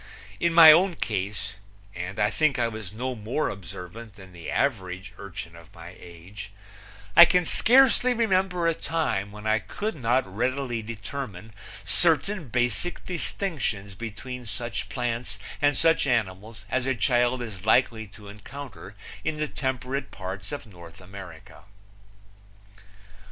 In my own case and I think I was no more observant than the average urchin of my age I can scarcely remember a time when I could not readily determine certain basic distinctions between such plants and such animals as a child is likely to encounter in the temperate parts of North America.